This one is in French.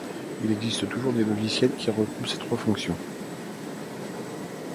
Il existe toutefois des logiciels qui regroupent ces trois fonctions.